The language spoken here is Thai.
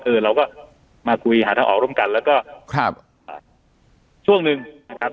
เออเราก็มาคุยหาทางออกร่วมกันแล้วก็ช่วงนึงนะครับ